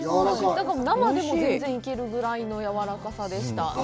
だから、生でも全然いけるぐらいのやわらかさでした。